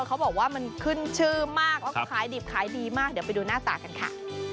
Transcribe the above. เขาบอกว่ามันขึ้นชื่อมากแล้วก็ขายดิบขายดีมากเดี๋ยวไปดูหน้าตากันค่ะ